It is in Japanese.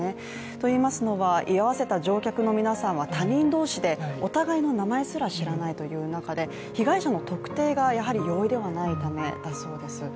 といいますのは、居合わせた乗客の皆さんは他人同士でお互いの名前すら知らないという中で被害者の特定が、やはり容易ではないためだそうです。